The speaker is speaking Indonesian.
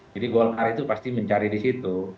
jadi golkar itu pasti mencari di situ